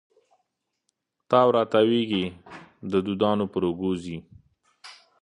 تاو را تاویږې د دودانو پر اوږو ځي